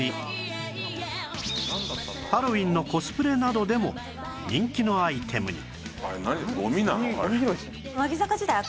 ハロウィーンのコスプレなどでも人気のアイテムに